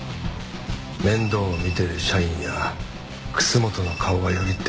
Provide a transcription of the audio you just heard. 面倒を見てる社員や楠本の顔がよぎって。